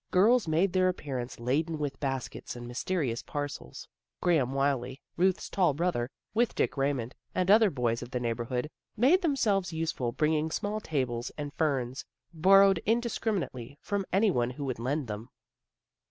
Girls made their appearance laden with baskets and myste rious parcels. Graham Wylie, Ruth's tall brother, with Dick Raymond, and other boys of the neighborhood, made themselves useful bringing small tables and ferns, borrowed indis criminately from anyone who would lend them.